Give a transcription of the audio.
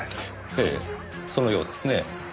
ええそのようですねぇ。